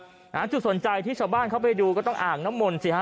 สีธรรมราชอ่าสุดสนใจที่ชาวบ้านเข้าไปดูก็ต้องอ่างน้ำมนต์สิฮะ